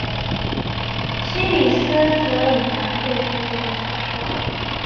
西里斯则隐含对啤酒的享受。